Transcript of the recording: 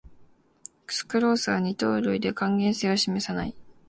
スクロースは二糖類で還元性を示さない